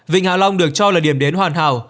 vịnh hạ long được cho là điểm đến hoàn hảo